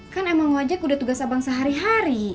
kan emang ngajak udah tugas abang sehari hari